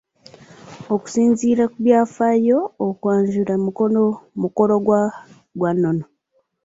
"Okusinziira ku byafaayo, okwanjula mukolo gwa nnono."